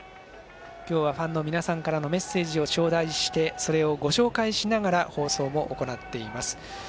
今日はファンの皆さんからのメッセージを頂戴してそれをご紹介しながら放送も行っています。